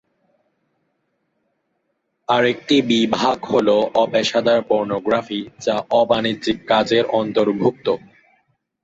আরেকটি বিভাগ হল অপেশাদার পর্নোগ্রাফি, যা অ-বাণিজ্যিক কাজের অর্ন্তভূক্ত।